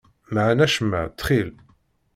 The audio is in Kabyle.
Mεen acemma, ttxil.